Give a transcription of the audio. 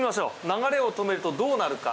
流れを止めるとどうなるか？